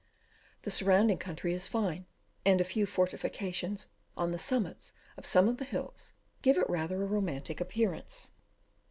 The surrounding country is fine, and a few fortifications on the summits of some of the hills, give it rather a romantic appearance.